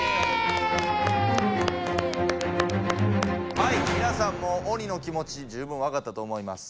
はいみなさんも鬼の気持ち十分わかったと思います。